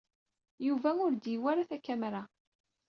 Yuba ur d-yuwiy ara takamra.